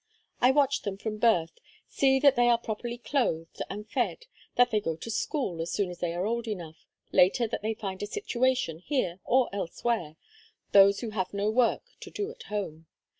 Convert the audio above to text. I watch them from birth, see that they are properly clothed and fed, that they go to school as soon as they are old enough, later that they find a situation here or elsewhere those that have no work to do at home.